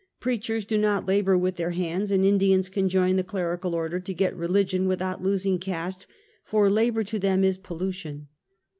Preachers do not labor M'ith their hands, and Indians can join the cleri cal order or get religion, without losing caste, for la bor to them is pollution.